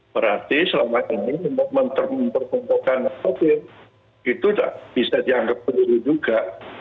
berarti selama ini mempertemukan mobil itu bisa dianggap penuh juga